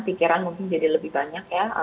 pikiran mungkin jadi lebih banyak ya